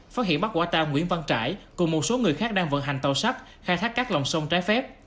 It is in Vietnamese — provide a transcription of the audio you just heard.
phát hiện bắt quả tang nguyễn văn trải cùng một số người khác đang vận hành tàu sắt khai thác các lòng sông trái phép